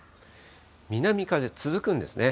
南風続くんですね。